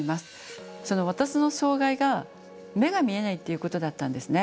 私の障害が目が見えないっていうことだったんですね。